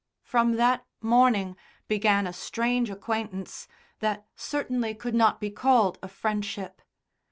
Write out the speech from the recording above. From that morning began a strange acquaintance that certainly could not be called a friendship.